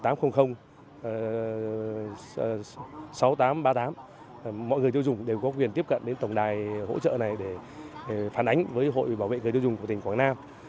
mọi người tiêu dùng đều có quyền tiếp cận đến tổng đài hỗ trợ này để phản ánh với hội bảo vệ người tiêu dùng của tỉnh quảng nam